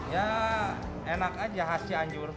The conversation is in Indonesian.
ya enak aja khas cianjur